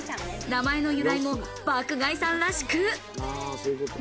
名前の由来は爆買いさんらしく。